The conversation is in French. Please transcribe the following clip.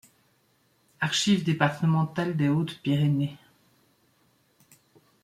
Archives départementales des Hautes-Pyrénées.